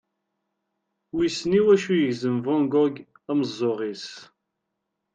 Wissen i wacu i yegzem Van Gogh ameẓẓuɣ-is.